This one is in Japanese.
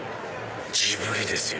ジブリですよ。